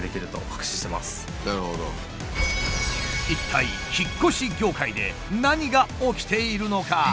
一体引っ越し業界で何が起きているのか？